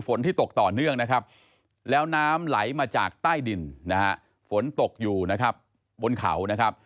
ที่ตกต่อเนื่องนะครับแล้วน้ำไหลมาจากใต้ดินนะฮะฝนตกอยู่นะครับบนเขานะครับ